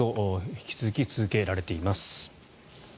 引き続き続けられています。